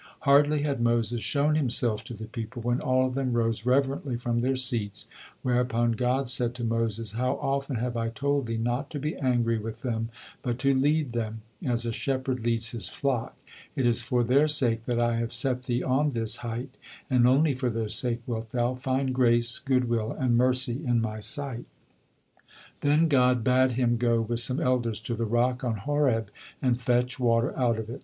Hardly had Moses shown himself to the people, when all of them rose reverently from their seats, whereupon God said to Moses: "How often have I told thee not to be angry with them, but to lead them, as a shepherd leads his flock; it is for their sake that I have set thee on this height, and only for their sake wilt thou find grace, goodwill, and mercy in My sight." Then God bade him go with some elders to the rock on Horeb, and fetch water out of it.